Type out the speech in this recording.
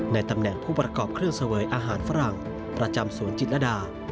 ตำแหน่งผู้ประกอบเครื่องเสวยอาหารฝรั่งประจำสวนจิตรดา